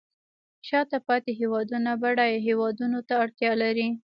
شاته پاتې هیوادونه بډایه هیوادونو ته اړتیا لري